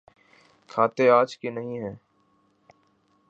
کھاتے آج کے نہیں ہیں۔